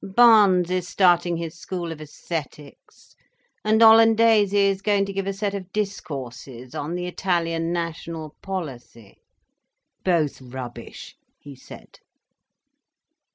"Barnes is starting his school of æsthetics, and Olandese is going to give a set of discourses on the Italian national policy—" "Both rubbish," he said.